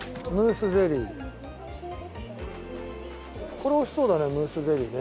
これ美味しそうだねムースゼリーね。